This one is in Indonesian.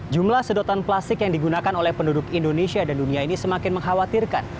jumlah sedotan plastik yang digunakan oleh penduduk indonesia dan dunia ini semakin mengkhawatirkan